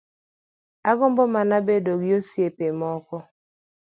Agombo mana bedo gi osiepe moko